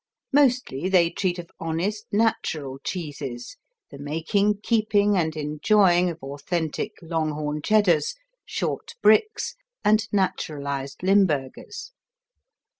Mostly they treat of honest, natural cheeses: the making, keeping and enjoying of authentic Longhorn Cheddars, short Bricks and naturalized Limburgers.